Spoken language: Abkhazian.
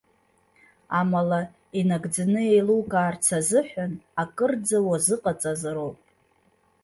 Амала, инагӡаны еилукаарц азыҳәан, акырӡа уазыҟаҵазароуп.